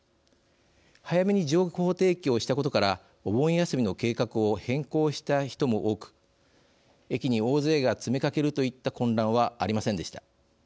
早めに情報提供したことからお盆休みの計画を変更した人も多く駅に大勢が詰めかけるといった混乱はありませんでした。